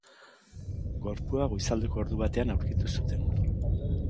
Gorpua goizaldeko ordu batean aurkitu zuten.